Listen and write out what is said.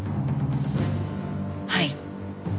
はい。